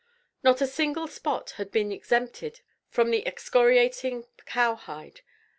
Not a single spot had been exempted from the excoriating cow hide.